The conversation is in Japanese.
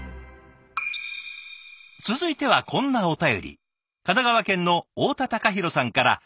続いてはこんなお便り。